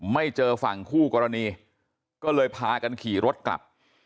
ไม่เจอฝั่งคู่กรณีก็เลยพากันขี่รถกลับ